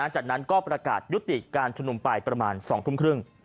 จากนั้นก็ประกาศยุติการชุมนุมไปประมาณ๒ทุ่มครึ่ง